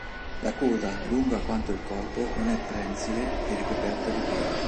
La coda, lunga quanto il corpo, non è prensile e ricoperta di pelo.